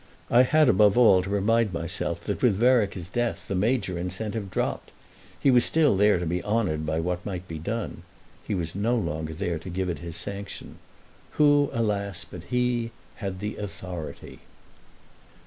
I had above all to remind myself that with Vereker's death the major incentive dropped. He was still there to be honoured by what might be done—he was no longer there to give it his sanction. Who alas but he had the authority?